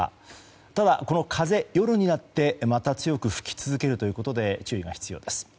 ただ、この風、夜になってまた強く吹き続けるということで注意が必要です。